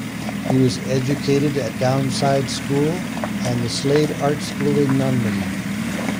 He was educated at Downside School, and the Slade Art School in London.